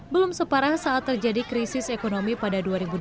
belum separah saat terjadi krisis ekonomi pada dua ribu dua puluh